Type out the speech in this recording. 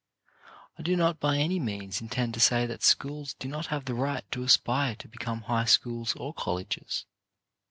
I do not by any means intend to say that schools do not have the right to aspire to become high schools and colleges.